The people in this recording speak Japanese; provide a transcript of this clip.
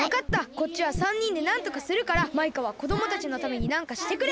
こっちは３にんでなんとかするからマイカはこどもたちのためになんかしてくれ！